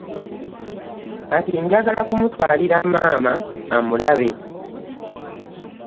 Kati njagala kumutwalira maama amulabe.